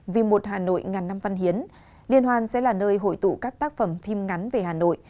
vì một hà nội ngàn năm văn hiến liên hoan sẽ là nơi hội tụ các tác phẩm phim ngắn về hà nội